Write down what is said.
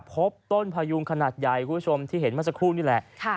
พบต้นพายุขนาดใหญ่ที่เห็นมาสักครู่นี่แหละ